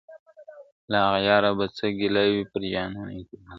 له اغیار به څه ګیله وي په جانان اعتبار نسته ..